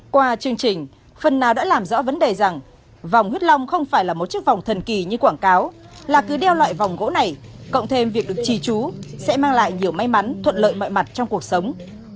qua chương trình phần nào đã làm rõ vấn đề rằng vòng huyết long không phải là một chiếc vòng thần kỳ như quảng cáo là cứ đeo loại vòng gỗ này cộng thêm việc được trì trú sẽ mang lại nhiều may mắn thuận lợi mọi mặt trong cuộc sống